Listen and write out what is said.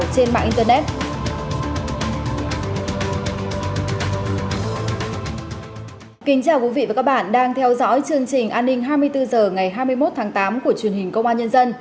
kính chào quý vị và các bạn đang theo dõi chương trình an ninh hai mươi bốn h ngày hai mươi một tháng tám của truyền hình công an nhân dân